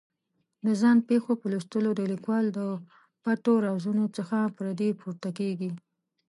د ځان پېښو په لوستلو د لیکوال د پټو رازونو څخه پردې پورته کېږي.